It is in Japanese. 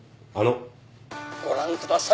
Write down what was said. ご覧ください。